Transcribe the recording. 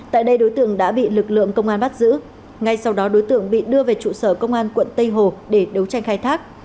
tại đây đối tượng đã bị lực lượng công an bắt giữ ngay sau đó đối tượng bị đưa về trụ sở công an quận tây hồ để đấu tranh khai thác